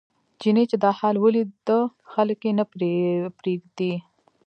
چیني چې دا حال ولیده خلک یې نه پرېږدي.